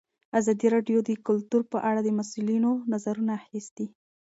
ازادي راډیو د کلتور په اړه د مسؤلینو نظرونه اخیستي.